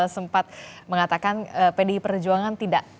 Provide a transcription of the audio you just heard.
sempat mengatakan pdi perjuangan tidak